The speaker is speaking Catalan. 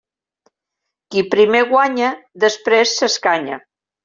Qui primer guanya després s'escanya.